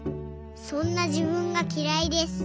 そんなじぶんがきらいです。